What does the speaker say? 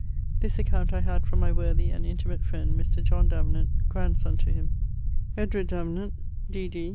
This account I had from my worthy and intimate friend, Mr. John Davenant, grandsonne to him. =Edward Davenant=, D.D.